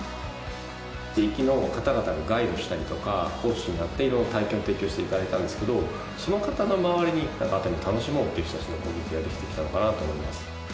地域の方々がガイドしたりとか講師になっていろいろ体験を提供して頂いたんですけどその方の周りに熱海を楽しもうっていう人たちのコミュニティができてきたのかなと思います。